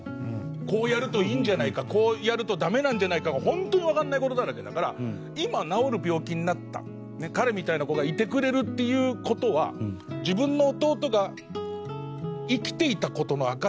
こうやるといいんじゃないかこうやるとダメなんじゃないかが本当にわかんない事だらけだから今治る病気になった彼みたいな子がいてくれるっていう事は自分の弟が生きていた事の証しの１つだみたいな。